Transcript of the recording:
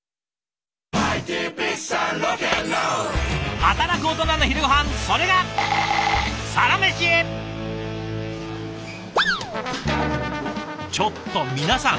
働くオトナの昼ごはんそれがちょっと皆さん